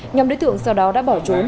nhóm đối tượng sau đó đã bỏ trốn